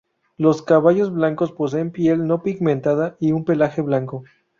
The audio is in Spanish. Los caballos blancos poseen piel no pigmentada y un pelaje blanco.